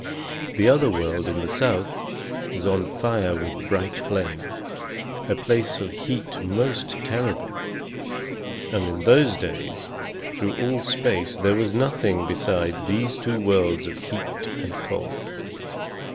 The other world in the south was on fire with bright flame, a place of heat most terrible. And in those days through all space there was nothing beside these two worlds of heat and cold.